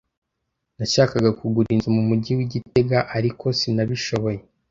Nashakaga kugura inzu mu mujyi wa gitega, ariko sinabishoboye.